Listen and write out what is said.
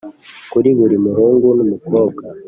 kuri buri muhungu n'umukobwa.